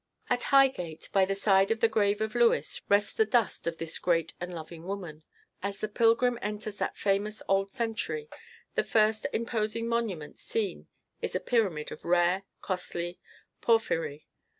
At Highgate, by the side of the grave of Lewes, rests the dust of this great and loving woman. As the pilgrim enters that famous old cemetery, the first imposing monument seen is a pyramid of rare, costly porphyry.